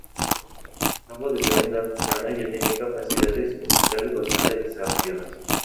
Gustavo desde una edad temprana ya tenía capacidades musicales bastante desarrolladas.